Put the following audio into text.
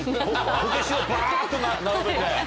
こけしをバっと並べて？